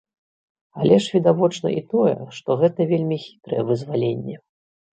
Але ж відавочна і тое, што гэта вельмі хітрае вызваленне.